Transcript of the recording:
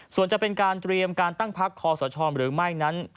ส่วนจะเป็นการเตรียมการตั้งพักคอสชหรือไม่นั้น